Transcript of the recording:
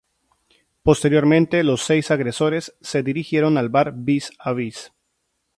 Posteriormente los seis agresores se dirigieron al bar Vis a Vis.